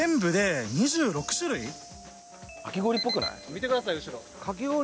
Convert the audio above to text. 見てください後ろ。